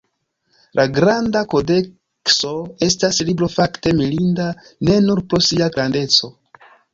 La Granda Kodekso estas libro fakte mirinda ne nur pro sia grandeco.